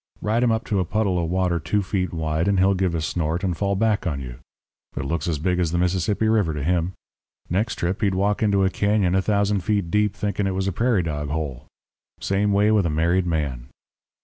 Ride him up to a puddle of water two feet wide, and he'll give a snort and fall back on you. It looks as big as the Mississippi River to him. Next trip he'd walk into a cañon a thousand feet deep thinking it was a prairie dog hole. Same way with a married man.